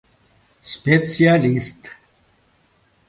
Специалист?!